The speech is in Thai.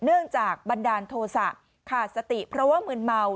เนื่องจากบันดาลโทษะขาดสติเพราะว่ามืนเมา